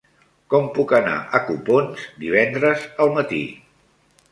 Com puc anar a Copons divendres al matí?